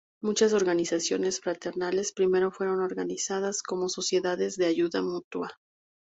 Muchas organizaciones fraternales primero fueron organizadas como sociedades de ayuda mutua.